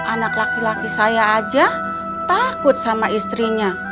anak laki laki saya aja takut sama istrinya